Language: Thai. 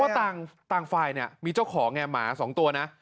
ต่างฝ่ายเนี่ยมีเจ้าของไงหมา๒ตัวนะ